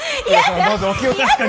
どうぞお気を確かに！